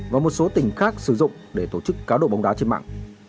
và một số tỉnh khác sử dụng để tổ chức cá độ bóng đá trên mạng